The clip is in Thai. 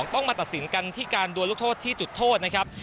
ต้องมาตัดสินกันที่การดวนลูกโทษที่จุดโทษนะครับ